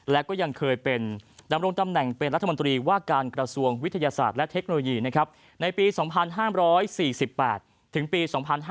และก็ยังเคยเป็นดำรงตำแหน่งเป็นรัฐมนตรีว่าการกระทรวงวิทยาศาสตร์และเทคโนโลยีในปี๒๕๔๘ถึงปี๒๕๕๙